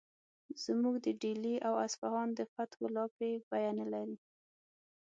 زموږ د ډیلي او اصفهان د فتحو لاپې بیه نه لري.